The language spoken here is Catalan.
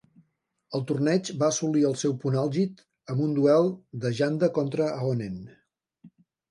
El torneig va assolir el seu punt àlgid amb un duel de Janda contra Ahonen.